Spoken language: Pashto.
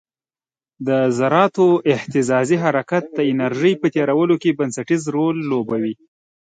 د ذراتو اهتزازي حرکت د انرژي په تیرولو کې بنسټیز رول لوبوي.